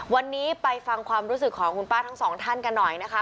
วันนี้ไปฟังความรู้สึกของคุณป้าทั้งสองท่านกันหน่อยนะคะ